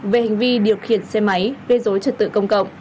về hành vi điều khiển xe máy gây dối trật tự công cộng